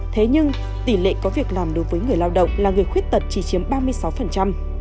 thế nhưng tỷ lệ có việc làm đối với người lao động là người khuyết tật chỉ chiếm ba mươi sáu